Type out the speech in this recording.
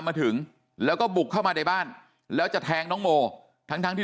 มาถึงแล้วก็บุกเข้ามาในบ้านแล้วจะแทงน้องโมทั้งทั้งที่